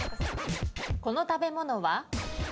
この食べ物は？